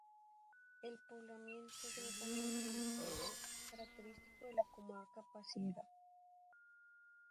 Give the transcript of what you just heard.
El poblamiento es netamente disperso, característico de la comarca pasiega.